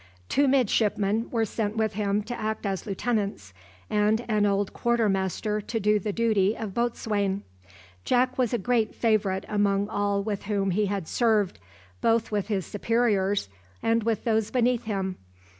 Two midshipmen were sent with him to act as lieutenants, and an old quarter master to do the duty of boatswain. Jack was a great favourite among all with whom he had served, both with his superiors and with those beneath him.